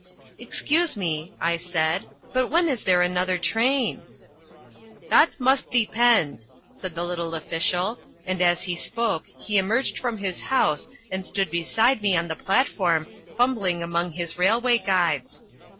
"Excuse me," I said, "but when is there another train?" "That must depend," said the little official, and as he spoke he emerged from his house and stood beside me on the platform fumbling among his railway guides.